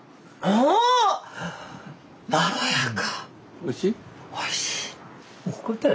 おいしい！